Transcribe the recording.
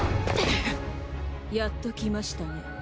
やっと来ましたね。